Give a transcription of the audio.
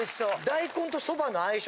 大根とそばの相性